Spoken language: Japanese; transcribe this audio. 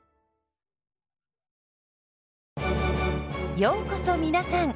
ようこそ皆さん。